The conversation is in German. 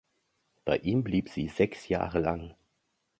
Bei ihm blieb sie sechs Jahre lang.